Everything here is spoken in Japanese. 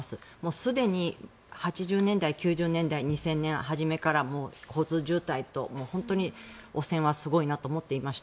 すでに８０年代、９０年代２０００年初めから交通渋滞と本当に汚染はすごいなと思っていました。